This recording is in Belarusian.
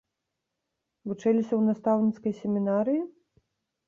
Вучыліся ў настаўніцкай семінарыі?